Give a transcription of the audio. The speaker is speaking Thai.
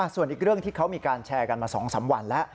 ส่วนอีกเรื่องที่เขามีการแชร์กันมา๒๓วันแล้ว